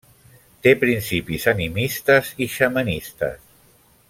Té principis animistes i xamanistes.